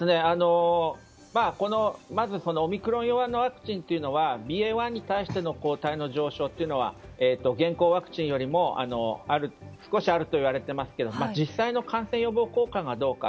まずオミクロン用のワクチンはＢＡ．１に対しての抗体の上昇というのは現行のワクチンよりも少しあるといわれていますが実際の感染予防効果がどうか。